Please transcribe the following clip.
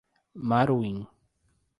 Maruim